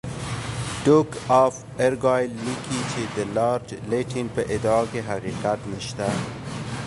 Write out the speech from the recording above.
ډوک آف ارګایل لیکي چې د لارډ لیټن په ادعا کې حقیقت نشته.